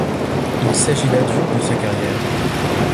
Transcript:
Il s'agit là du de sa carrière.